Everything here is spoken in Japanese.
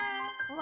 「わ！」